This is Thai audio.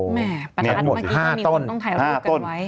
ปรากฏเมื่อกี้มีคนต้องถ่ายรูปกันไว้